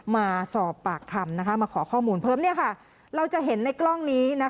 มาสอบปากคำมาขอข้อมูลเพิ่มเราจะเห็นในกล้องนี้